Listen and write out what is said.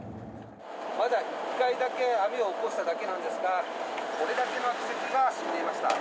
まだ１回だけ網を起こしただけなんですが、これだけの秋サケが死んでいました。